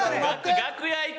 楽屋行く。